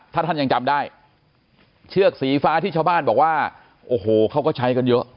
ถ้าท่านยังจำได้เชือกสีฟ้าที่ชาวบ้านบอกว่าโอ้โหเขาก็ใช้กันเยอะ